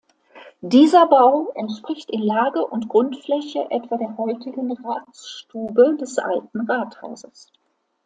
Dieser Bau entspricht in Lage und Grundfläche etwa der heutigen Ratsstube des Alten Rathauses.